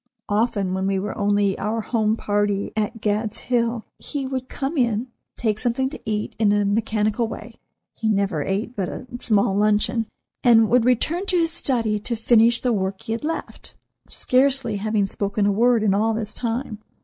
Often, when we were only our home party at "Gad's Hill," he would come in, take something to eat in a mechanical way—he never ate but a small luncheon—and would return to his study to finish the work he had left, scarcely having spoken a word in all this time.